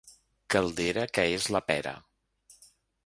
Caldera que és la pera.